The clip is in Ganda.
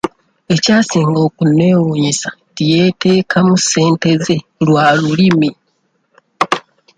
Ekyasinga okunneewunyisa nti yeeteekamu ssente ze lwa lulimi.